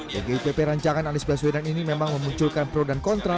tgupp rancangan anies baswedan ini memang memunculkan pro dan kontra